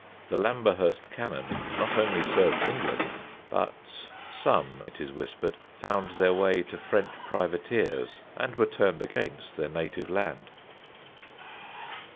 The Lamberhurst cannon not only served England, but some, it is whispered, found their way to French privateers and were turned against their native land.